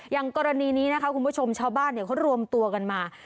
อย่างกรณีนี้นะคะคุณผู้ชมชาวบ้านเขารวมตัวกันมา